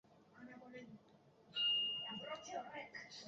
Dena dela, arratsaldetik aurrera haizea baretzen hasiko da.